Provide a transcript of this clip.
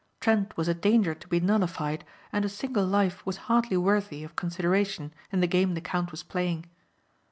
Trent was a danger to be nullified and a single life was hardly worthy of consideration in the game the count was playing.